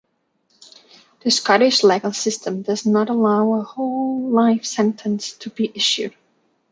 The Scottish legal system does not allow a whole life sentence to be issued.